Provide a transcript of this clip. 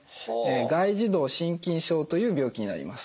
外耳道真菌症という病気になります。